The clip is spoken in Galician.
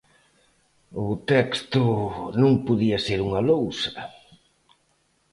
O texto non podía ser unha lousa.